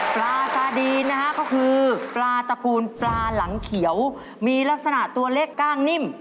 ปลาซาดีนนะฮะก็คือปลาตระกูลปลาหลังเขียวมีลักษณะตัวเล็กกล้างนิ่ม